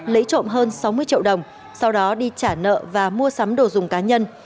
lấy trộm hơn sáu mươi triệu đồng sau đó đi trả nợ và mua sắm đồ dùng cá nhân